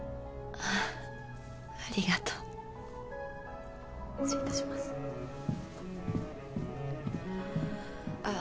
ありがとう失礼いたしますああ